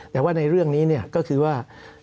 แต่ว่าในเรื่องนี้ก็คือว่า